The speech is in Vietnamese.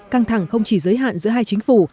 căng thẳng không chỉ giới hạn giữa hai chính phủ